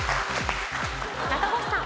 中越さん。